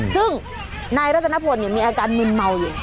ซึ่งนายรัตนพลมีอาการมึนเมาอยู่